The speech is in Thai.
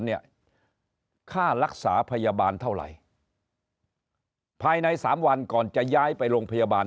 เนี่ยค่ารักษาพยาบาลเท่าไหร่ภายในสามวันก่อนจะย้ายไปโรงพยาบาล